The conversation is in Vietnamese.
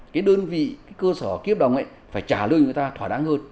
cái đơn vị cơ sở kiếp đồng phải trả lương người ta thỏa đáng hơn